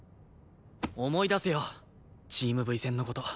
思い出せよチームＶ戦の事。